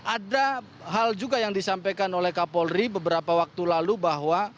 ada hal juga yang disampaikan oleh kapolri beberapa waktu lalu bahwa